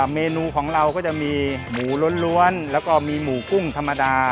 เมนูของเราก็จะมีหมูล้วนแล้วก็มีหมูกุ้งธรรมดา